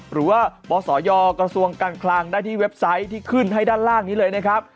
หรือว่าบศยกระทรวงการคลังได้ที่เว็บไซต์ที่ขึ้นให้ด้านล่างนี้เลยนะครับ